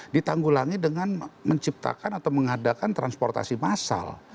ditanggulangi dengan menciptakan atau mengadakan transportasi massal